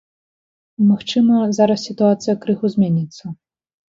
Магчыма, зараз сітуацыя крыху зменіцца.